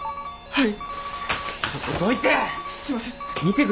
はい。